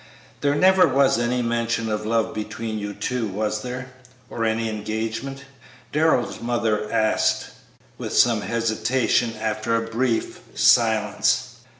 "There never was any mention of love between you two, was there, or any engagement?" Darrell's mother asked, with some hesitation, after a brief silence.